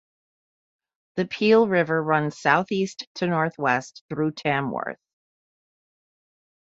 The Peel River runs southeast to northwest through Tamworth.